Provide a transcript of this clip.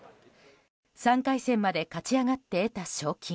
３回戦まで勝ち上がって得た賞金